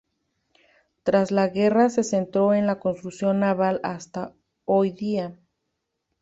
Tras la guerra se centró en la construcción naval hasta hoy día.